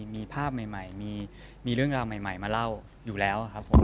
มีภาพใหม่มีเรื่องราวใหม่มาเล่าอยู่แล้วครับผม